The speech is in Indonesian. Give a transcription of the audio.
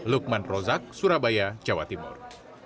lukman rozak surabaya jawa timur